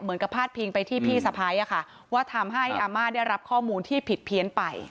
พาดพิงไปที่พี่สะพ้ายว่าทำให้อาม่าได้รับข้อมูลที่ผิดเพี้ยนไป